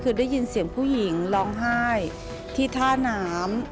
คือได้ยินเสียงผู้หญิงร้องไห้ที่ท่าน้ำ